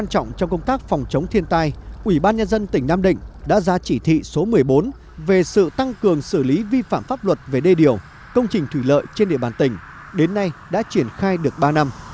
trong công tác phòng chống thiên tai ủy ban nhân dân tỉnh nam định đã ra chỉ thị số một mươi bốn về sự tăng cường xử lý vi phạm pháp luật về đê điều công trình thủy lợi trên địa bàn tỉnh đến nay đã triển khai được ba năm